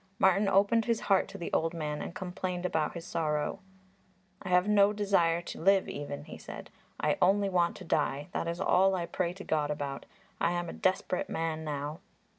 Martin opened his heart to the old man and complained about his sorrow. "I have no desire to live even," he said; "I only want to die. That is all I pray to God about. I am a desperate man now."